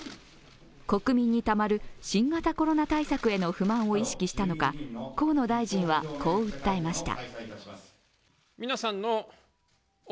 国民にたまる新型コロナ対策への不満を意識したのか河野大臣は、こう訴えました。